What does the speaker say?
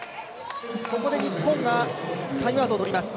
ここで日本がタイムアウトを取ります。